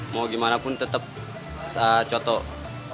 mau gimana pun tetap cocok